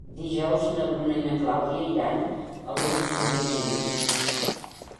Dijous na Bruna i na Clàudia iran a Los Montesinos.